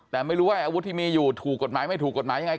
แต่ไม่รู้ว่าอาวุธที่มีอยู่ถูกกฎหมายไม่ถูกกฎหมายยังไง